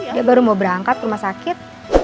dia baru mau berangkat ke rumah sakit